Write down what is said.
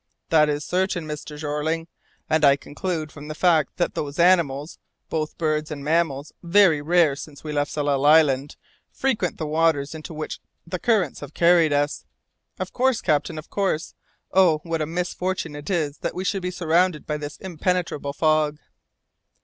"That is certain, Mr. Jeorling, and I conclude from the fact that those animals both birds and mammals very rare since we left Tsalal Island, frequent the waters into which the currents have carried us." "Of course, captain, of course. Oh! what a misfortune it is that we should be surrounded by this impenetrable fog!"